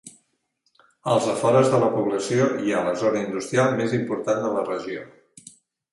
Als afores de la població hi ha la zona industrial més important de la regió.